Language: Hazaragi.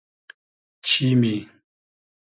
چیمی